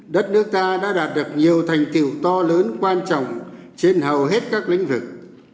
đất nước ta đã đạt được nhiều thành tiệu to lớn quan trọng trên hầu hết các lĩnh vực